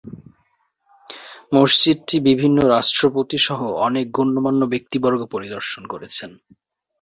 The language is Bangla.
মসজিদটি বিভিন্ন রাষ্ট্রপতি সহ অনেক গণ্যমান্য ব্যক্তিবর্গ পরিদর্শন করেছেন।